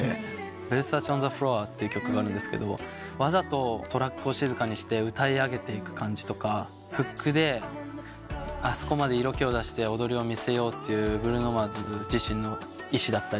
『ＶｅｒｓａｃｅＯｎＴｈｅＦｌｏｏｒ』って曲があるんですけどわざとトラックを静かにして歌い上げていく感じとかフックであそこまで色気を出して踊りを見せようというブルーノ・マーズ自身の意志だったり。